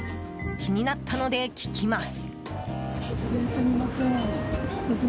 気になったので、聞きます。